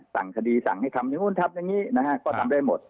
สั่งคดีสั่งให้ทำอย่างนู้นทำอย่างนี้นะฮะก็ทำได้หมด